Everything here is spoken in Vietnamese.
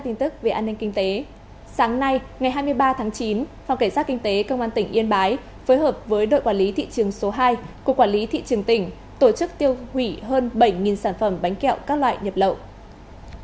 tin tức sáng nay ngày hai mươi ba tháng chín phòng cảnh sát kinh tế công an tỉnh yên bái phối hợp với đội quản lý thị trường số hai của quản lý thị trường tỉnh tổ chức tiêu hủy hơn bảy sản phẩm bánh kẹo các loại nhập lậu